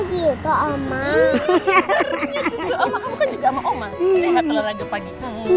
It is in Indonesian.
kerennya cucu oma kamu kan juga sama oma sehat olahraga pagi